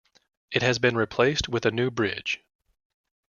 It has been replaced with a new bridge.